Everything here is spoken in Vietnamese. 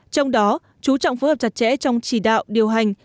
trong đó chú trọng phối hợp chặt chẽ trong chỉ đạo điều hành